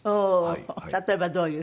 例えばどういう？